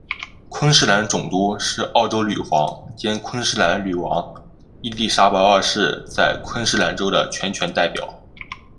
昆士兰总督是澳洲女皇兼昆士兰女王伊利沙伯二世在昆士兰州的全权代表。